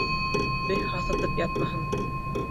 Өй һаҫытып ятмаһын.